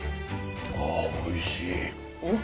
ああおいしい。